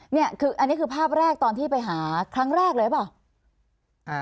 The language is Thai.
นี่คืออันนี้คือภาพแรกตอนที่ไปหาครั้งแรกเลยหรือเปล่า